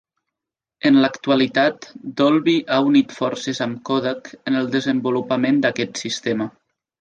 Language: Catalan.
En l'actualitat Dolby ha unit forces amb Kodak en el desenvolupament d'aquest sistema.